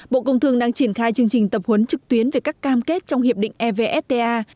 bộ công thương đang triển khai chương trình tập huấn trực tuyến về các cam kết trong hiệp định evfta